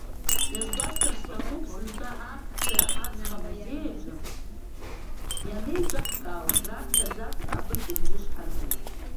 Иазгәасҭарц сҭахуп, сынтәа акциа Аҵх амузеи аҿы анеиҿаҳкаауаз, раԥхьаӡа акәны абыкь абжьы шҳаргаз.